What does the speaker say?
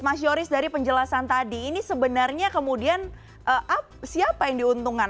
mas yoris dari penjelasan tadi ini sebenarnya kemudian siapa yang diuntungkan